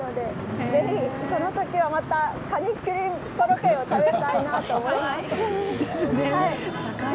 ぜひその時はまたカニクリームコロッケを食べたいなと思います。